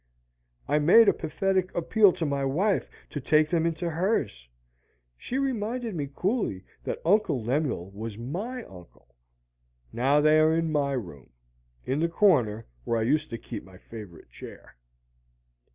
I made a pathetic appeal to my wife to take them into hers; she reminded me coolly that Uncle Lemuel was my uncle. Now they are in my room, in the corner where I used to keep my favorite chair.